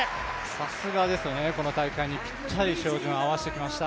さすがですよね、この大会にしっかり照準を合わせてきました。